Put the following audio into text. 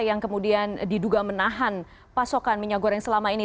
yang kemudian diduga menahan pasokan minyak goreng selama ini